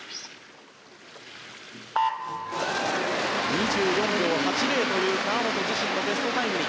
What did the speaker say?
２４秒８０という川本自身のベストタイムに